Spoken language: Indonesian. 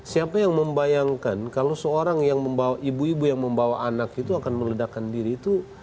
siapa yang membayangkan kalau seorang yang membawa ibu ibu yang membawa anak itu akan meledakkan diri itu